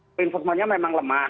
law enforcementnya memang lemah